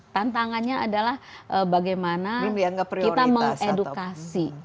tantangannya adalah bagaimana kita mengedukasi